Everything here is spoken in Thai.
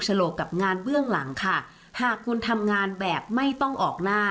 ฉลกกับงานเบื้องหลังค่ะหากคุณทำงานแบบไม่ต้องออกหน้า